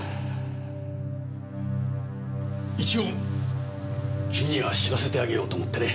一応君には知らせてあげようと思ってね。